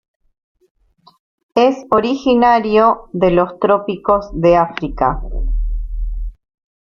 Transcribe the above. Es originario de los trópicos de África.